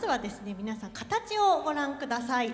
皆さん形をご覧ください。